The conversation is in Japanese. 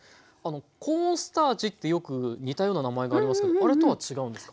コーンスターチってよく似たような名前がありますけどあれとは違うんですか？